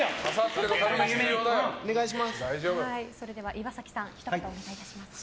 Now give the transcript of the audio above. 岩崎さん、ひと言お願いします。